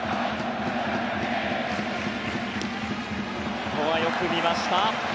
ここはよく見ました。